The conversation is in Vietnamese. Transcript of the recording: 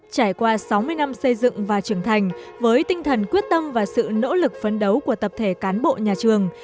trải qua sáu mươi năm xây dựng và trưởng thành với tinh thần quyết tâm và sự nỗ lực phấn đấu của tập thể cán bộ nhà trường